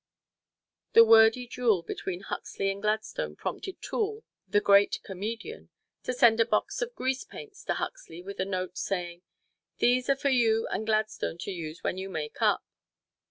The wordy duel between Huxley and Gladstone prompted Toole, the great comedian, to send a box of grease paints to Huxley with a note saying, "These are for you and Gladstone to use when you make up."